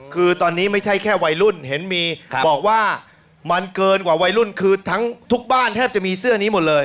คือตอนนี้ไม่ใช่แค่วัยรุ่นเห็นมีบอกว่ามันเกินกว่าวัยรุ่นคือทั้งทุกบ้านแทบจะมีเสื้อนี้หมดเลย